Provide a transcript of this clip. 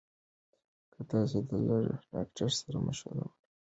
که تاسو له ډاکټر سره مشوره ونکړئ، ستونزه پېښېدای شي.